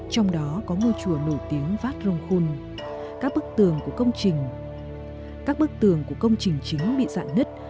trong đó có ngôi chùa nổi tiếng vát rồng khun các bức tường của công trình chính bị dạn nứt